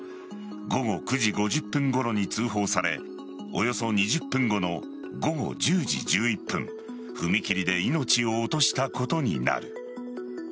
午後９時５０分ごろに通報されおよそ２０分後の午後１０時１１分踏切で命を落としたことになる。